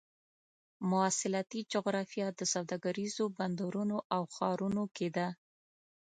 مواصلاتي جغرافیه د سوداګریزو بندرونو او ښارونو کې ده.